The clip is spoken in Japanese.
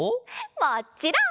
もっちろん！